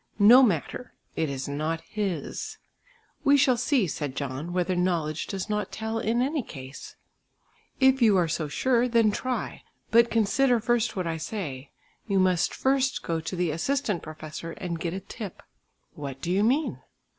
"No matter, it is not his." "We shall see," said John, "whether knowledge does not tell in any ease." "If you are so sure, then try, but consider first what I say. You must first go to the assistant professor and get a 'tip'." "What do you mean?"